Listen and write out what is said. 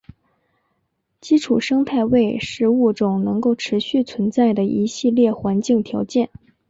基础生态位是物种能够持续存在的一系列环境条件。